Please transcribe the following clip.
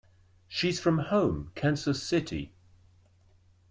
She's from home — Kansas City.